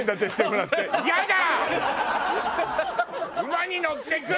馬に乗っていく！